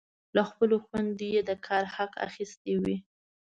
له خپلو خویندو یې د کار حق اخیستی وي.